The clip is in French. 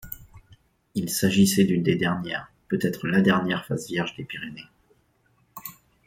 Il s'agissait d'une des dernières, peut-être la dernière, faces vierges des Pyrénées.